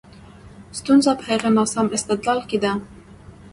ستونزه په هغه ناسم استدلال کې ده.